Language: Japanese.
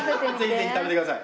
ぜひぜひ食べてください。